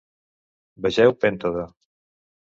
Vegeu pèntode.